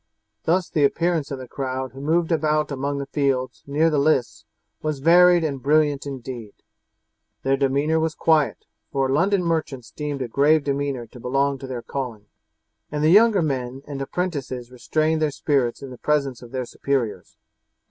Thus the appearance of the crowd who moved about among the fields near the lists was varied and brilliant indeed. Their demeanour was quiet, for the London merchants deemed a grave demeanour to belong to their calling, and the younger men and apprentices restrained their spirits in the presence of their superiors.